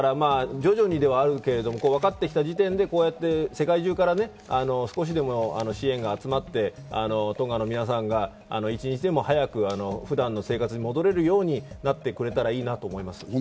徐々にではあるけれども分かってきた時点で世界中から少しでも支援が集まってトンガの皆さんが一日でも早く普段の生活に戻れるようになってくれたらいいなと思います。